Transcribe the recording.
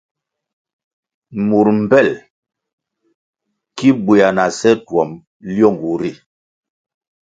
Mur mpel ki bwea na seh twom lyongu ri.